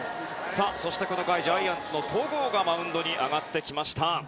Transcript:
そして、この回ジャイアンツの戸郷がマウンドに上がってきました。